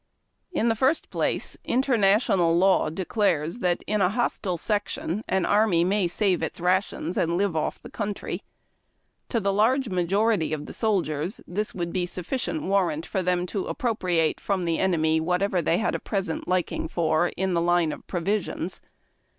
In the first place, interna tional law declares that in a hostile section an army may save its rations and live off the country. To the large majorit}' of the soldiers this would be sufficient warrant for them to appropriate from the enemv whatever they had a present liking for in the line of provisions.